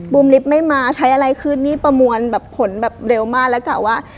ลิฟต์ไม่มาใช้อะไรขึ้นนี่ประมวลแบบผลแบบเร็วมากแล้วกะว่า